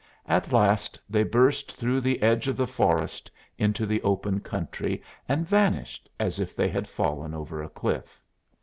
At last they burst through the edge of the forest into the open country and vanished as if they had fallen over a cliff.